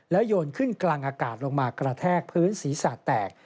โยนขึ้นกลางอากาศลงมากระแทกพื้นศีรษะแตก